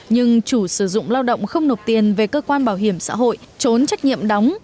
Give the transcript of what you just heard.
nhưng chủ sử dụng lao động không nộp tiền về cơ quan bảo hiểm xã hội trốn trách nhiệm đóng